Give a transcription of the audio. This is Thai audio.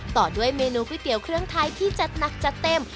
ต่อด้วยเมนูก๋วยเตี๋ยวเครื่องไทยที่จัดหนักจัดเต็ม